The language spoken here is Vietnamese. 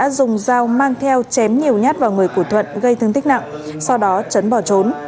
đã dùng dao mang theo chém nhiều nhát vào người của thuận gây thương tích nặng sau đó chấn bỏ trốn